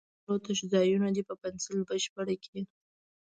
د لاندې جملو تش ځایونه دې په پنسل بشپړ کړي.